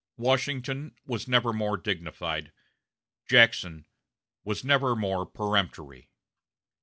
Washington was never more dignified; Jackson was never more peremptory.